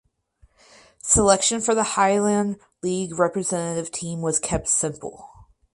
Selection for the Highland League representative team was kept simple.